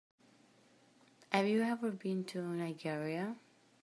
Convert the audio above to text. Have you ever been to Nigeria?